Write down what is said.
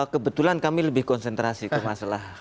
kebetulan kami lebih konsentrasi ke masalah